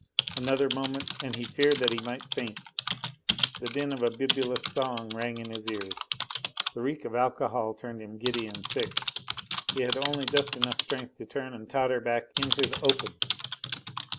Another moment, and he feared that he might faint. The din of a bibulous song rang in his ears, the reek of alcohol turned him giddy and sick. He had only just enough strength to turn and totter back into the open.